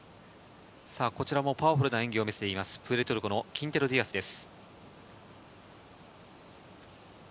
こちらもパワフルな演技を見せています、プエルトリコのキンテロ・ディアスです。